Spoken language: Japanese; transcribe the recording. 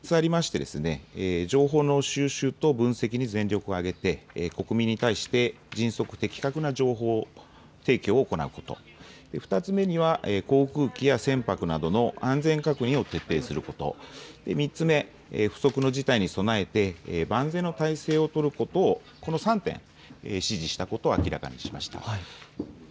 ポイント、３つありまして情報の収集と分析に全力を挙げて国民に対して迅速的確な情報提供を行うということ、２つ目には航空機や船舶などの安全確認を徹底すること、３つ目、不測の事態に備えて万全の態勢をとること、この３点、指示したことを明らかにしました。